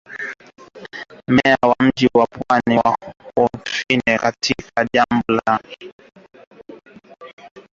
Meya wa mji wa pwani wa Kafountine katika jimbo la Kasamance ameliambia shirika la habari siku ya Jumanne.